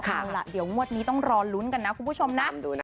เอาล่ะเดี๋ยวงวดนี้ต้องรอลุ้นกันนะคุณผู้ชมนะ